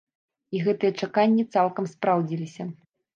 І гэтыя чаканні цалкам спраўдзіліся.